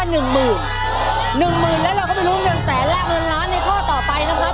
๑๐๐๐๐แล้วเราก็ไปรุมกันแสนแรก๑๐๐๐๐๐ในข้อต่อไปนะครับ